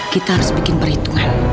kita harus bikin perhitungan